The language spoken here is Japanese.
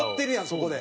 そこで。